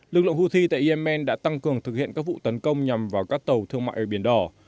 lực lượng houthi tại yemen đã tăng cường thực hiện các vụ tấn công nhằm vào các tàu thương mại ở biển đỏ